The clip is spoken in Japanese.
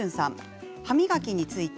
歯磨きについて。